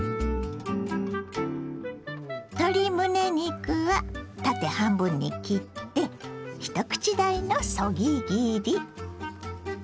鶏むね肉は縦半分に切って一口大のそぎ切り。